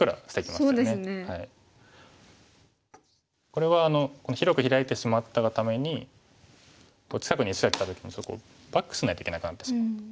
これは広くヒラいてしまったがために近くに石がきた時にちょっとバックしないといけなくなってしまった。